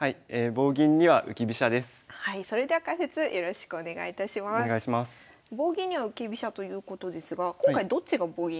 棒銀には浮き飛車ということですが今回どっちが棒銀するんですか？